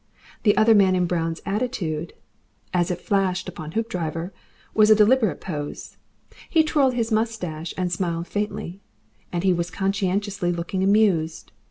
The other man in brown's attitude, as it flashed upon Hoopdriver, was a deliberate pose; he twirled his moustache and smiled faintly, and he was conscientiously looking amused.